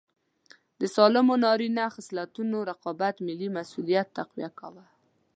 د سالمو نارینه خصلتونو رقابت ملي مسوولیت تقویه کاوه.